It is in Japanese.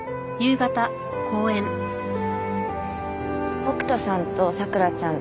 北斗さんと桜ちゃん